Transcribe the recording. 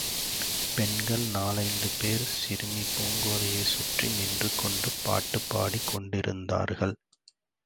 பெண்கள் நாலைந்து பேர் சிறுமி பூங்கோதையைச் சற்றி நின்றுகொண்டு பாட்டுப் பாடிக்கொண்டிருந்தார்கள்.